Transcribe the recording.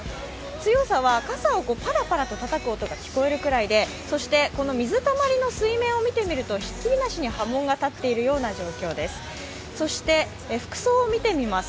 強さは傘をパラパラとたたく音が聞こえるぐらいで水たまりの水面を見てみると、ひっきりなしに波紋が立っているような状況です。